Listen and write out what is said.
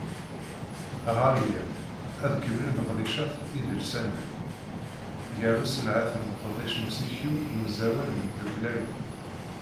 Ɣer yiḍ, ad kemmlen leqdicat idelsanen, gar usenɛet n leqdic n usikew n uẓawan n tddukkla-a.